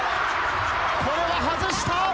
これは外した。